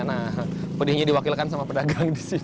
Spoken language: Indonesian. nah pedihnya diwakilkan sama pedagang disini